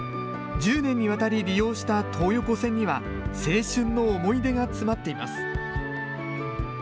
１０年にわたり利用した東横線には青春の思い出が詰まっています。